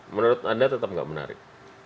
menurut anda tetap nggak menarik